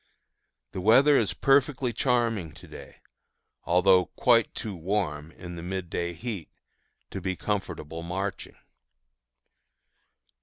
The weather is perfectly charming to day, although quite too warm, in the midday heat, to be comfortable marching.